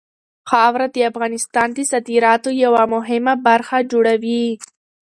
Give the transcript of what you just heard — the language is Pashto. خاوره د افغانستان د صادراتو یوه مهمه برخه جوړوي.